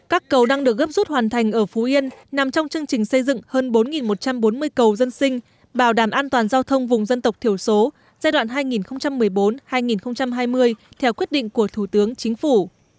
các cầu đang được gấp rút hoàn thành ở phú yên nằm trong chương trình xây dựng hơn bốn một trăm bốn mươi cầu dân sinh bảo đảm an toàn giao thông vùng dân tộc thiểu số giai đoạn hai nghìn một mươi bốn hai nghìn hai mươi theo quyết định của thủ tướng chính phủ